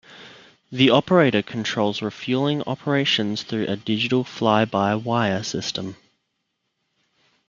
The operator controls refueling operations through a digital fly-by wire system.